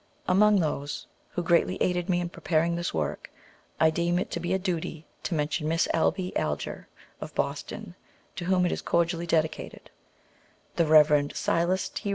Among those who have greatly aided me in pre paring this work I deem it to be a duty to mention Miss ABBY ALGER, of Boston, to whom it is cordially dedicated; the REV. SILAS T.